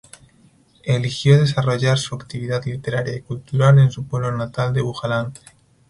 Eligió desarrollar su actividad literaria y cultural en su pueblo natal de Bujalance.